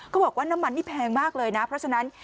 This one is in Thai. บอกว่าน้ำมันนี่แพงมากเลยนะเพราะฉะนั้น